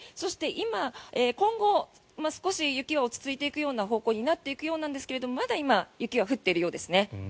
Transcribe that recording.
今、今後少し雪は落ち着いていくような方向になっていくようですがまだ今、雪は降っているようですね。